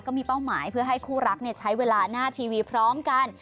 ก็มีเป้าหมายให้คู่รักใช้เวลาหน้าทีวีพร้อมกัน